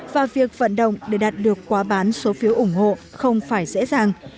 và việc vận động để đạt được quá bán số phiếu ủng hộ không phải dễ dàng